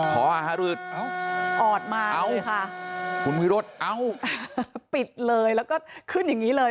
ขออฮฤษออดมาเลยค่ะคุณวิรุษปิดเลยแล้วก็ขึ้นอย่างงี้เลย